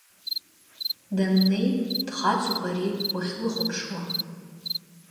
Даннеи, дхаҵоуп ари уахьлыхәаԥшуа.